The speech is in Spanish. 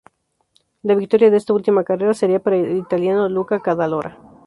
La victoria de esta última carrera sería para el italiano Luca Cadalora.